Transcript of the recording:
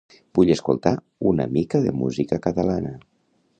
Vull escoltar una mica de música catalana.